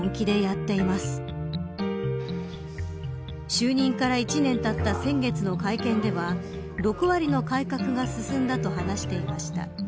就任から１年たった先月の会見では６割の改革が進んだと話していました。